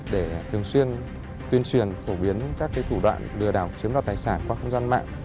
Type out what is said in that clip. để thường xuyên tuyên truyền phổ biến các thủ đoạn lừa đảo chiếm đoạt tài sản qua không gian mạng